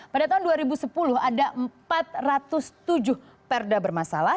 pada tahun dua ribu sepuluh ada empat ratus tujuh perda bermasalah